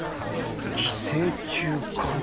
寄生虫かな？